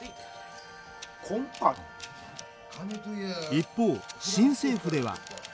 一方新政府では。